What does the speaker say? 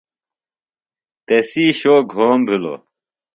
تسی شو گھوم بِھلوۡ۔